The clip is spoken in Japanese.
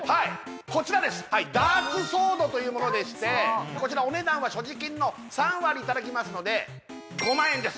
こちらですダーツソードというものでしてこちらお値段は所持金の３割いただきますので５万円です